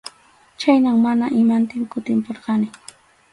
Chhaynam mana imantin kutimpurqani.